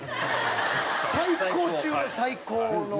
最高中の最高の。